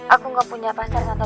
aku gak punya pacar tante